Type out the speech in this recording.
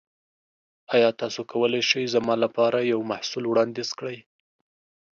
ایا تاسو کولی شئ زما لپاره یو محصول وړاندیز کړئ؟